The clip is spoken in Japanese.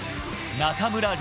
中村輪